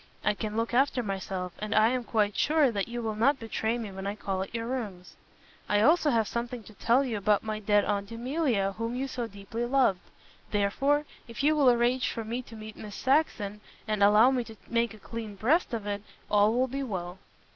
I can look after myself, and I am quite sure that you will not betray me when I call at your rooms. I also have something to tell you about my dead Aunt Emilia whom you so deeply loved. Therefore, if you will arrange for me to meet Miss Saxon, and allow me to make a clean breast of it, all will be well."